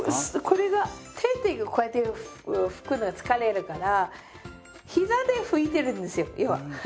これが手でこうやって拭くのは疲れるから膝で拭いてるんですよ要は。